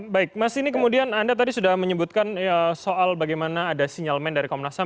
baik mas ini kemudian anda tadi sudah menyebutkan soal bagaimana ada sinyalmen dari komnas ham